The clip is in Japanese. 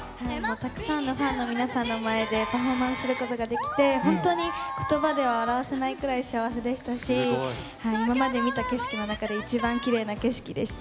たくさんのファンの皆さんの前で、パフォーマンスすることができて、本当にことばでは表せないくらい幸せでしたし、今まで見た景色の中で、一番きれいな景色でした。